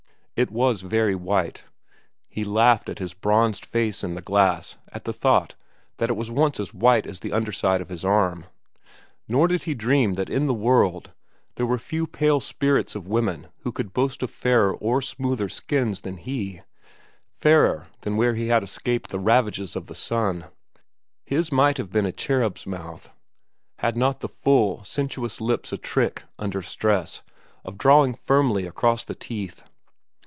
It was very white. He laughed at his bronzed face in the glass at the thought that it was once as white as the underside of his arm; nor did he dream that in the world there were few pale spirits of women who could boast fairer or smoother skins than he—fairer than where he had escaped the ravages of the sun. His might have been a cherub's mouth, had not the full, sensuous lips a trick, under stress, of drawing firmly across the teeth.